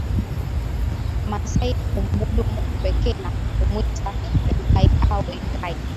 Wamasai humwabudu Mungu pekee na humwita Enkaiau Engai